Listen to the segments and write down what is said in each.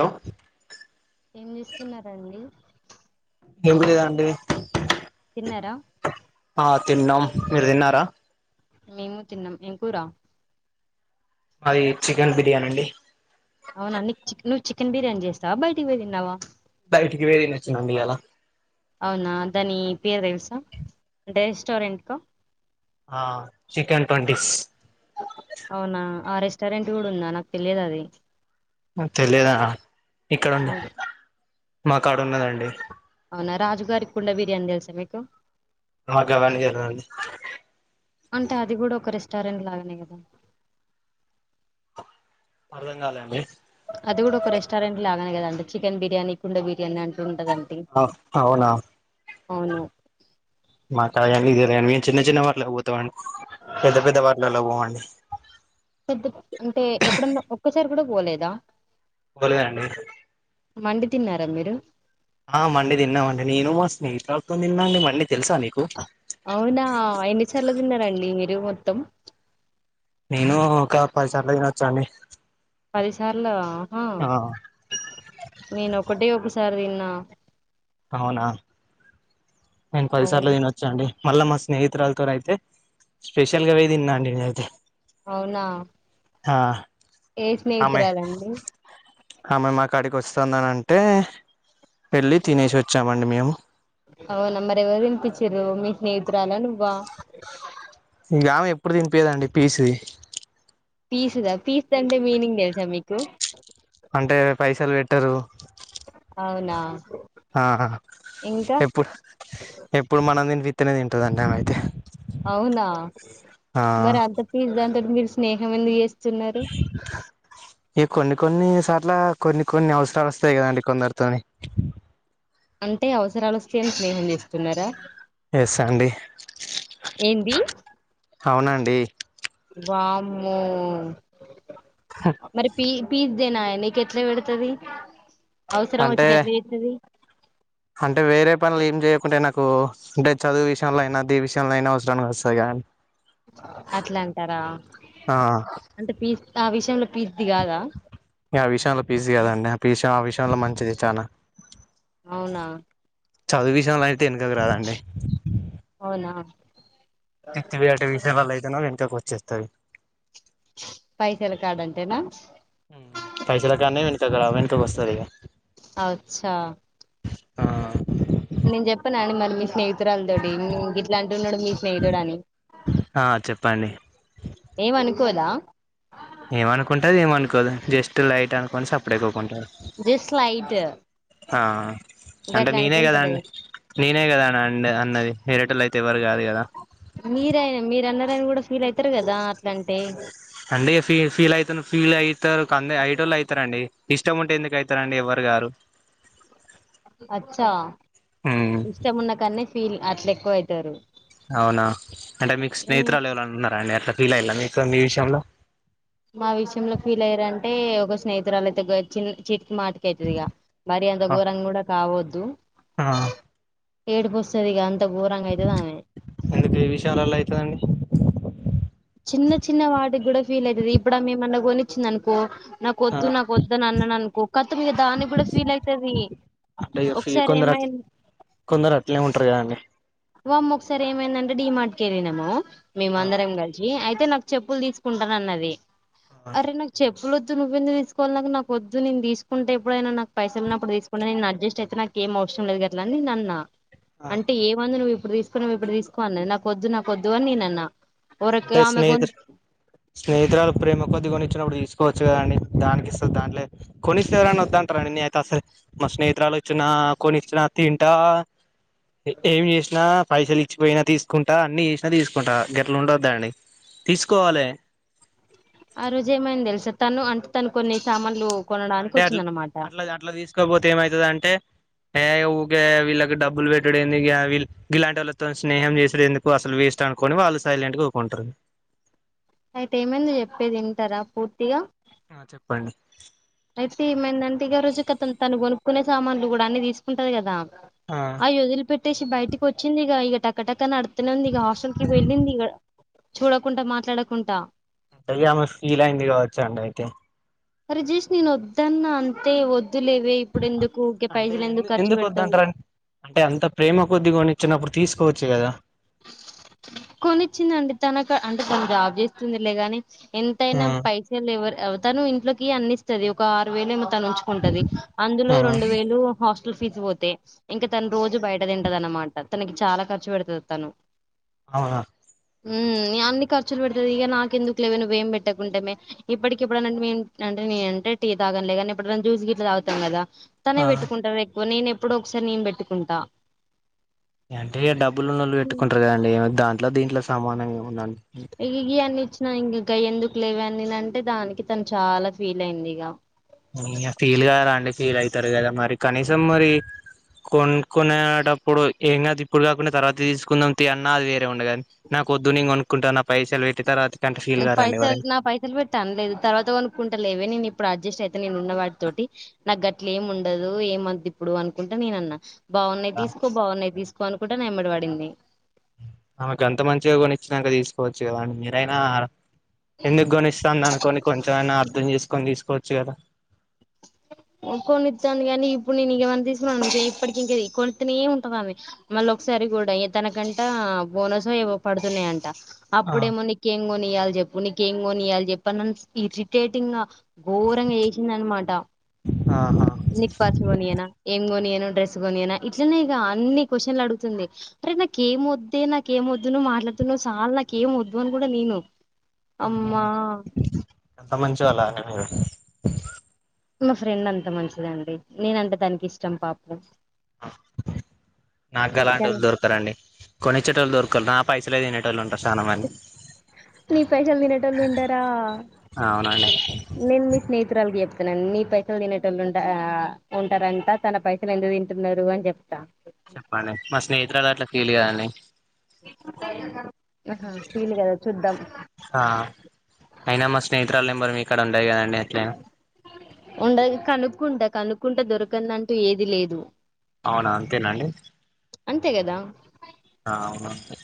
Hello ఏం చేస్తున్నరండి ఎమి లేదండి తిన్నారా ఆ తిన్నాం మీరు తిన్నారా మేము తిన్నం ఎం కురా అది చికెన్ బిర్యానీ అండి అవునా నీక్ చి నువ్వు చికెన్ బిర్యానీ చేస్తవ బయటికి పోయి తిన్నావా బయటికి పోయే తిని వచ్చిన అండి ఇయ్యాల అవునా దాని పేరు తెలుసా అంటే రెస్టారెంట్లో ఆ చికెన్ ట్వంటిస్ అవునా ఆ రెస్టారెంట్ కూడా ఉందా నాకు తెలియదు అది తెలియదా ఇక్కడుంది అవు మా కాడ ఉన్నదండి అవునా రాజుగారికి కుండ బిర్యానీ తెలుసా మీకు మా గవన్ని తెలువదు అండి అంటే అది కూడా ఒక రెస్టారెంట్ లాగానే కదా అర్థం కాలేదండి అది కూడా ఒక రెస్టారెంట్ లగానే కదండి చికెన్ బిర్యానీ కుండ బిర్యాని అంటే ఉంటదండి ఆ అవునా అవును మాకు అయ్యాన్ని తెలియదండి మేము చిన్న చిన్న వాట్లకు పోతామండి పెద్ద పెద్ద వాట్లల్లకు పోమండి పెద్ద అంటే ఎప్పుడన్నా ఒక్కసారి కూడా పోలేదా పోలెదండి మండి తిన్నారా మీరు ఆ మండి తిన్నామండి నేను మా స్నేహితురాలీ తోటి తిన్నాఅండి మండిీ తెలుసా నీకు అవునా ఏన్ని సార్ల తిన్నారండి మీరు మొత్తం నేను ఒక పదిసార్ల తినోచ్చండి పదిసార్ల అహా ఆ నేను ఒకటే ఒకసారి తిన్న అవునా నేను పదిసార్ల అవును తినో చ్చండి మళ్ళా మా స్నేహితురాలీతోనైతే స్పెషల్ గా పోయి తిన్నా అండి నినైతే అవునా ఆ ఏ ఆమె స్నేహితురాలండి ఆమె మాకడికి వస్తదని అంటే వెళ్ళి తినేసి వచ్చామండి మేము అవునా మరి ఎవరు వినిపించ్చిర్రు మీ స్నేహితురాలా నువ్వ ఈకామె ఎప్పుడు తినిపీదండి [unintelligible] పీస్ద పీస్ది అంటే మీనింగ్ తెలుసా మీకు అంటే పైసలు పెట్టరు అవున ఆహా ఎప్పుడు ఎప్పుడు మనం తని విత్తనే తింటదట అమే అయితే అవునా ఆ మరి అంత పిస్ దాంతో మీరు స్నేహం ఎందుకు చేస్తున్నారు ఈ కొన్ని కొన్ని సార్ల కొన్ని కొన్ని అవసరాలు వస్తాయి కదండి కొందరితోని అంటే అవసరాలు వస్తాయని స్నేహం చేస్తున్నార ఎస్ అండి ఏంది అవునండి వామ్మో మరి పీ [unintelligible] ఇదేనా నీకు ఎట్ల పెడుతది అవసరం అంటే వచ్చిన ఎట్ల చేతుంది అంటే వేరే పనులు ఏం చేయకుంటే నాకు అంటే చదువు విషయంలో అయినా [unintelligible] విషయంలో అయినా వసరనికి వస్తందగా అట్ల అంటారా ఆ అంటే పీస్ ఆ విషయంలో పీస్ది కాద ఆ విషయంలో పీస్ది కదండి ఆ ప విష ఆ విషయంలో మంచిది చాలా అవునా చదువు విషయంలో అయితే వెనకకి రాదండి అవునా [unintelligible] విషయాలలో అయితే వెనకాకి వచ్చేస్తది పైసల కాడ అంటేన పైసలు కానే [unintelligible] వెనకకు వస్తది అచ్చ ఆ నేను చెప్పా అని మరి మీ స్నే [unintelligible] ఇట్లాంటున్నాడు మీ స్నేహితుడు అని ఆ చెప్పండి ఏమనుకోద ఏమనుకుంటది ఏమనుకోదు జస్ట్ లైట్ అనుకోని సప్పుడేకోకుంటారు జస్ట్ లైట్ ఆ అంటే గట్లా నేనే కదా అనుకుంటది అం నేనే కద అన అండి అన్నది వేరేటోలు అయితే ఎవ్వరు కాదు కదా మీరైనా మీరన్నారనీ కూడా ఫీల్ అయితారు కదా అట్లాంటే [unintelligible] ఫీ ఫీల్ అయిత ఫీల్ అయీ తారు కంద ఐటోళ్ళు అవుతారండి ఇష్టం ఉంటే ఎందుకు అవుతారండి ఎవ్వరు గారు అచ్చా ఉమ్ ఇష్టం ఉన్న కన్నె పిల్లల ఫీల్ అట్ల ఎక్కువ అవుతారు అవునా అంటే మీకు స్నేహితురాలు ఎవర అంటున్నా అండి అట్లా ఫీల్ అయ్యలా మీకు మీ విషయంలో మా విషయంలో ఫీల్ అయ్యారంటే ఒక స్నేహితురాలు అయితే చి చిటికి మాటక అయితది ఇగా మరి అంత ఘోరం కూడ కావోద్దు ఆ ఏడుపోస్తది ఇగ అంత ఘోరంగా అయితది ఆమె ఎందుకు ఈ విషయాల ఎలా అవుతదండి చిన్న చిన్న వాటికి కూడా ఫీల్ అయితది ఇప్పుడు ఆమె ఏమన్న కొనిచ్చింది అనుకో ఆ నాకొద్దు నాకు వద్దు అని అన్నాను అనుకో [unintelligible] దాన్ని కూడా ఫీల్ అవుతంది అంటే ఇగ ఫీ ఒకసారి కొందరు ఏమై అట్ల కొందరు అట్లే ఉంటారు కదా అండి వామో ఒకసారి ఏమైందంటే డీమాట్కేరినము ఆ మేమందరాం [unintelligible] అయితే నాకు చెప్పులు తీసుకుంటాను అన్నది అరే నా చెప్పులొద్దువ్వవుందు తీసుకోవి నాకు నాకు వద్దు నేను తీసుకుంటే ఎప్పుడైనా నాకు పైసలు అప్పుడు తీసుకు [unintelligible] నేను అడ్జస్ట్ అయిత నాకు ఏం అవసరం లేదు [unintelligible] ఆ అంటే ఎం వద్దు నువ్వు ఇప్పుడు తీసుకో ఇప్పుడు తీసుకో అన్న నాకు వద్దు నాకు వద్దు అని నేన అన్న అంటే స్నేహితుడు స్నేహితురాలు ప్రేమ కొద్దిగా కొనిచ్చినప్పుడు తీసుకోవచ్చు కదండి దానికి ఇస్త దాంట్లో కొన్ని ఇస్తే ఎవరైనా వద్దంటారా అండి నిను ఆసలు మా స్నేహితురాలు వచ్చిన కొనిచ్చిన తింటా ఏమి చేసినా పైసలు ఇచ్చిపోయినా తీసుకుంటా అన్ని చేసినా తీసుకుంటా గట్ల ఉండదు గంతే అండి తీసుకోవాలే ఆ రోజే ఏమైంది తెలుసా తను అంటే తను కొన్ని సామాన్లు కొనడానికి అంటే అ వచ్చిందనమాట అట్లా అట్లా తీసుకోపోతే ఏమైతుంది అంటే ఏ ఊకే వీళ్ళకి డబ్బులు పెట్టడు ఎందుకె వీళ్లు గిలాంటోళ్లతోటి స్నేహం చేసేందుకు అసలు వేస్ట్ అనుకోని వాళ్ళు సైలెంట్ గా ఉకుటారు అయితే ఏమైంది చెప్పేది వింటారా పూర్తిగా చెప్పండి అయితే ఏమైందంటే ఆ రోజు కతం తను కొనుక్కునే సామాన్లు కూడా అన్ని తీసుకుంటాది కదా ఆ వదిలి పెట్టేసి బయటికి వచ్చింది ఇక ఇక టక్క టక్క నడుతుంది ఇగ హాస్టల్ కి వెళ్ళింది ఇగ చూడకుంట మాట్లాడకుంట ఇగ ఆమె ఫీల్ అయిందిగావచ్చు అండి అయితే అరే జస్ట్ నేను వద్దన్న అంతే వద్దులేవే ఇప్పుడు ఎందుకు అంటే పైసలు ఎందు ఎందుకు ఖర్చు పెడతావు వద్దంటారన్ అంటే అంత ప్రేమ కొద్ది కోని ఇచ్చినప్పుడు తీసుకోవచ్చు కదా కొనిచ్చిందండి తనకు అంటే తను జాబ్ చేస్తుందిలేగాని ఎంతైనా ఆ పైస ఎవరు తను ఇంట్లోకి అన్ని ఇస్తది ఒక ఆరు వేలేమో తను ఉంచుకుంటది అందులో ఆ రెండు వేలు హాస్టల్ ఫీజు పోతాయితే ఇంకా తను రోజు బయట తింటద అన్నమాట తనకి చాలా ఖర్చు పెడుతుంది తను అవున అన్ని ఖర్చులు పెడది ఇక నాకు ఎందుకు లేవే నువ్వు ఏం పెట్టకుంటామై ఇప్పటికిప్పుడు మే అంటే నేంటే టీ తాగనలేగానీ ఇప్పుడు జ్యూ గిట్లా తాగుతం కదా తానే ఆ పెట్టుకుంటాది ఎక్కువ నేను ఎప్పుడో ఒకసారి నేను పెట్టుకుంటా అంటే డబ్బులు ఉనోళ్లు పెట్టుకుంటారు కదండి దాంట్లో దీంట్లో సమానం ఏముందీ గిఇ అన్ని ఇచ్చినా ఇంక గయ్యి ఎందుకు లేవే అని అంటే దానికి తను చాలా ఫీల్ అయింది ఇక ఇగ ఫీల్ గారా అండి ఫీల్ అయితారు కదా మరి కనీసం మరి కొనుక్కునేటప్పుడు ఏం కాదు ఇప్పుడు కాకునే తర్వాత తీసుకుందాం తియ్ అన్న అది వేరే ఉండుగాద నాకు వద్దు నేను కొనుకుంటా పైసలు పెట్టి తర్వాత కంటే ఫీల్ కారండి పైసలు ఎవరైనా నా పైసలు పెట్ తనలేదు తర్వాత కొనుక్కుంటలే లేవే నేను ఇప్పుడు అడ్జస్ట్ అయితే నేను ఉన్న వాటితోటి నా గట్లే ఏమి ఉండదు ఏమద్ ఇప్పుడు అనుకుంటే నేను ఉన్న బాగున్నాయి తీసుకో బాగున్నాయి తీసుకో అని నా ఎంబడి పడింది ఆమె గంత మంచిగా కొనిచ్చినాక తీసుకోవచ్చు కద అండి మీరైనా ఎందుకు కొనిస్తాంది అనుకొని కొంచెంమైనా అర్థం చేసుకొని తీసుకోవచ్చు కదా చెప్పు కొనితాంది కానీ ఇప్పుడు నేను తీసుకున్న ఆమె ఎప్పటికి ఇంక కొనితనే ఉంటాది ఆమె మళ్ళ ఒకసారి కూడా తనకంటా బోనస్ ఏవో పడుతున్నాయంట ఆ అప్పుడేమో నీకేం కొని ఇయ్యాలి చెప్పు నీకేం కొని ఇయ్యాలి చెప్పు నన్ను ఇరిటేటివ్ గా గోరంగా చేసింది అన్న మాట ఆహా నిక్ పార్స్ కొనియానా ఏం కొనియను డ్రెస్ కొనియనా ఇట్లనే ఇగ అన్ని క్యూస్షన్లు అడుగుతుంది అరే నాకేం వద్దే నాకేం వద్దు నువ్ మాట్లాడుదు నువ్వు సాలు నాకేం వద్దు అని కూడా నేను ఆమ్మో అమ్మా అంత మంచోళ్ళ అండి మీరు మా ఫ్రెండ్ అంత మంచిదండి నేనంటే దానికి ఇష్టం పాపం నాకు గలాంటి ఓళ్ళు దొరకారండి కొనిచ్చేటోల్లు దొరకలు పైసలే తినేటోల్లు ఉంటరు చాలా మంది నీ పైసలు తినేటోళ్ళు ఉంటరా అవునండి నేను మిస్ స్నేహితురాలకి చెప్తన్నానండి నీ పైసలు తినేటటోలు ఉంటారంటా తన పైసలు ఎందుకు తింటున్నారు అని చెప్త [unintelligible] చెప్పండి మా స్నేహితురాలు అట్లా ఫీల్ కాదండి ఆహా ఫీల్ కాదా చూద్దాం ఆ అయినా మా స్నేహితురాలు నెంబర్ మీకాడా ఉండదు కదండి ఎట్లయినా ఉండది కనుక్కుంట కనుక్కుంటె దొరకందంటూ ఏది లేదు అవునా అంతేనాండి అంతే గదా ఆ అవును అంతే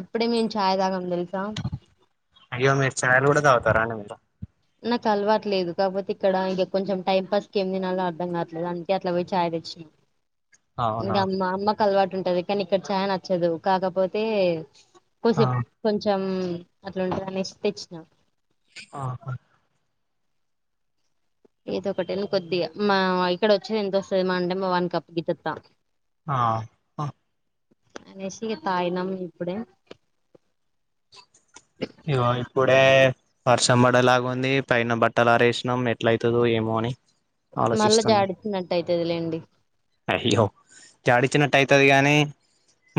ఇప్పుడే మేము ఛయి తాగం తెలుసా అయ్య మీరు చయలు కూడా తగుతర అండి మీరు నాకు అలవాట్లేదు కాకపోతే ఇక్కడ ఇగ కొంచెం టైంపాస్కి ఏం తినలో అర్థం కాట్లేదు అందుకే అట్ల పోయి ఛాయ తెచ్చి అవునా ఇంగా మా అమ్మకు అలవాటు ఉంటది కానీ ఇక్కడ ఛాయ నచ్చదు కాకపోతే ఆ కోసేపు కొంచెం అత్కుంటదనేసి తెచ్చినా ఆహ ఏదో ఒకటేని కొద్దిగా మా ఇక్కడ వచ్చేది ఎంత వస్తుంది మా అంటే వన్ కప్ గితత్తా ఆ అనేసి ఇగ తాయినమ్ ఇప్పుడే ఇగో ఇప్పుడే వర్షం పడేలగ ఉంది పైన బట్టలు ఆరేసినాం ఎట్ల అవుతుదొ ఏమో అని మళ్ళా ఆలోచిస్తున్నాం జాడిచ్చినట్టు అయితది లేండి అయ్యో జాడిచ్చినట్టు అయితది గాని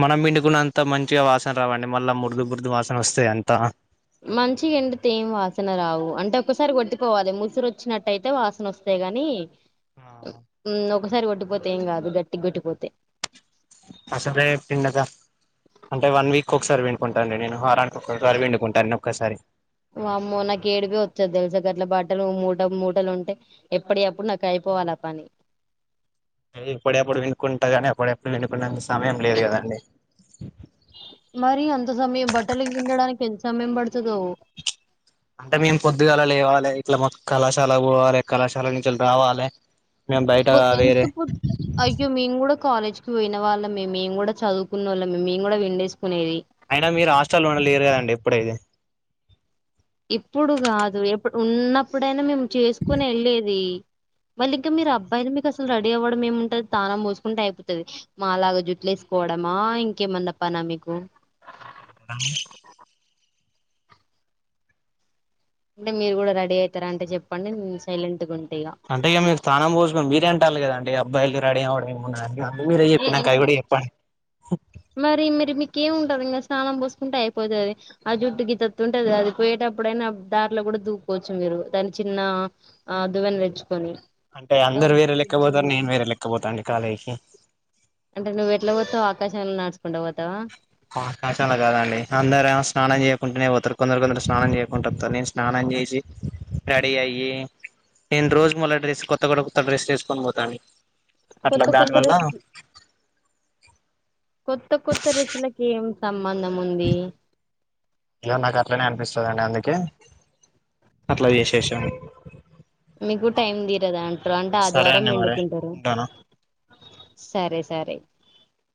మనం మిండుకున్న అంత మంచిగా వాసన రావండి మళ్ళా మురుదు మురుదు వాసన వస్తాయి అంత మంచిగా ఎండితే ఎం వాసన రావు అంటే ఒక్కసారి కొట్టుకోవాలి ముసిరు వచ్చినటయితే వాసన వస్త వస్తేగని ఒకసారి కొట్టిపోతే ఏం కాదు గట్టిగా కొట్టిపోతే [unintelligible] పిండక అంటే వన్ వీక్ ఒకసారి పుండుకుంటానండి నేను వారానికి ఒక్కసారి పుండుకుంటాన అన్ని ఒక్కసారి వామ్మో నాకు ఏడిపే వత్తది తెలుసా గట్ల బట్టలు మూటకు మూటలు ఉంటే ఎప్పుటియి ఆప్పుడు నాకు అయిపోవాల ఆ పని ఇప్పుడ ఎప్పుడు పిండుకుంటాగాని అప్పుడప్పుడు పిండుకునేందుకు సమయం లేదు కదండి మరి అంత సమయం బట్టలకి పిండడానికి ఎంత సమయం పడుతదో అంటే మేము పొద్దుగాల లేవాలె ఇట్ల కళాశాలకి పోవాలె కళాశాల నుంచి రావాలి పో ఎంత [unintelligible] అయ్యో మేము కూడా కాలేజ్కి పోయిన వాళ్ళ మేము మేము కూడా చదువుకున్న వాళ్ళమే మేము కూడా విండేసుకునేది అయినా మీరు హస్టల్లో ఉండలేరు కదండి ఇప్పుడైది ఇప్పుడు కాదు ఎప్పుడు ఉన్నప్పుడైనా మేము చేసుకుని వెళ్ళేది మళ్ళీ ఇంకా మీరూ అబ్బాయిలు మీకు అసలు రెడీ ఆవ్వడం ఏమిముంటది తానం పోసుకుంటే అయిపోతది మాలాగా జుట్లే ఏసుకోవడమా ఇంకేమనా పనా మీకు అంటే మీరు కూడా రెడీ ఐతారంటే చెప్పండి నేను సైలెట్గా ఉంట ఇక అంట ఇక మీరు స్థానం పోసుకుని మీరే అంటాలి కద అండి అబ్బాయిలు రడీ అవ్వ అందు మీరే చెప్పిన నాక అయి కూడా చెప్పండి మరి మరి మీకేమి ఉంటది ఇంకా స్నానం పోసుకుంటే అయిపోతది ఆ జుట్టుకి తత్తుంటది అది పోయేటప్పుడు ఐనా దారిలో కూడా దూకోవచ్చు మీరు దాని చిన్న ఆ దువ్వెన తెచ్చుకొని. అంటే అందరు వేరే లెక పోతారు నేను వేరే లేక్క పోతనడి కాలేజ్ కి అంటే నువ్వు ఎట్లా పోతవు ఆకాశాలంలో నాడుచుకుంట పోతావా ఆవకాశంలా కాదండి అందర ఏమో స్నానం చేయకుంటేనే పోతారు కొందరు కొందరు స్నానం చేయకుంట వతరు నేను స్నానం చేసి రెడీ అయ్యి, నేను రోజు మళ్లా డ్రెస్ కొత్త కూడా కొత్త డ్రెస్ వేసుకొని పోతాను అట్లా కొత్త దాని కొత్త వల్ల.. రెస్ కొత్త కొత్త డ్రెస్సులకి ఏం సంబంధం ఉంది. ఇలా నాకు అట్లనే అనిపిస్తుందిండి అందుకే అట్లా చేసేసాం. మీకు టైమ్ తీరద అంటరు అంటే సరే ఆదివారం అండి మరి పిన్డుకుంటారు ఉంటాను సరే సరే.